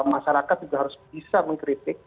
masyarakat juga harus bisa mengkritik